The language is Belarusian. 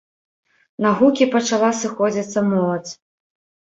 На гукі пачала сыходзіцца моладзь.